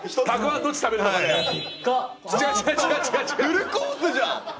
フルコースじゃん！